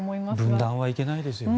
分断はいけないですよね。